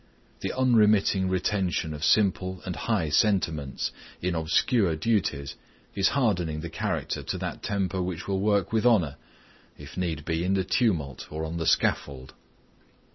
The unremitting retention of simple and high sentiments in obscure duties is hardening the character to that temper which will work with honor, if need be in the tumult, or on the scaffold.